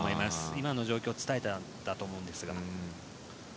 今の状況を伝えたんだと思いますが。